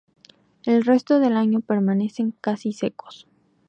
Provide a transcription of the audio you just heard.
El resto del año permanecen casi secos.